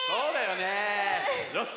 よし！